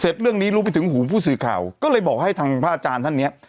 เรื่องนี้รู้ไปถึงหูผู้สื่อข่าวก็เลยบอกให้ทางพระอาจารย์ท่านเนี้ย